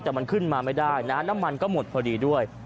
แต่มันขึ้นมาไม่ได้นะน้ำมันก็หมดพอดีด้วย